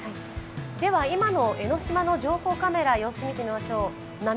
では今の江の島の情報カメラを見てみましょう。